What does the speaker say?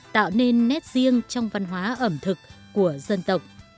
tạo nên nét riêng trong văn hóa ẩm thực của dân tộc